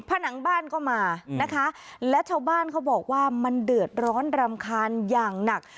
ผนังบ้านก็มานะคะและชาวบ้านเขาบอกว่ามันเดือดร้อนรำคาญอย่างหนัก